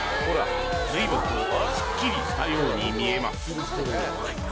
随分とすっきりしたように見えます